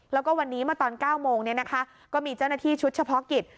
แล้วก็วันนี้เมื่อตอน๙โมงก็มีเจ้าหน้าที่ชุดเฉพาะกิจ